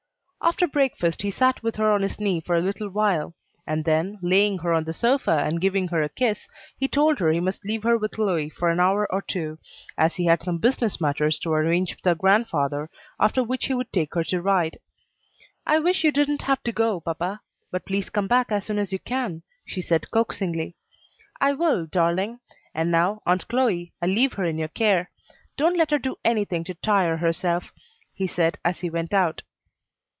After breakfast he sat with her on his knee for a little while, and then, laying her on the sofa and giving her a kiss, he told her he must leave her with Chloe for an hour or two, as he had some business matters to arrange with her grandfather, after which he would take her to ride. "I wish you didn't have to go, papa; but please come back as soon as you can," she said coaxingly. "I will, darling. And now, Aunt Chloe, I leave her in your care; don't let her do anything to tire herself," he said as he went out.